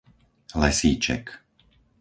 Lesíček